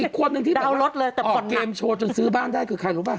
อีกขวดนึงที่แบบว่าออกเกมโชว์จนซื้อบ้านได้คือใครรู้ป่ะออกเกมโชว์จนซื้อบ้านได้คือใครรู้ป่ะ